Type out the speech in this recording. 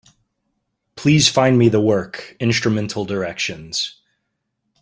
Please find me the work, Instrumental Directions.